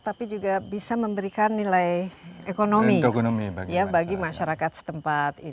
tapi juga bisa memberikan nilai ekonomi bagi masyarakat setempat